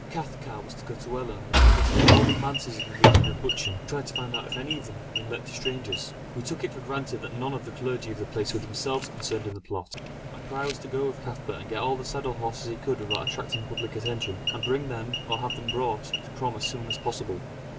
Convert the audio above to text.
Cathcart was to go to Ellon and get a list of all the manses in the region of Buchan, and try to find out if any of them had been let to strangers. We took it for granted that none of the clergy of the place were themselves concerned in the plot. MacRae was to go with Cathcart and to get all the saddle horses he could without attracting public attention, and bring them, or have them brought, to Crom as soon as possible.